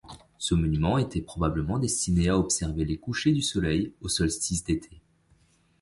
Ce monument était probablement destiné à observer les couchers du soleil au solstice d'été.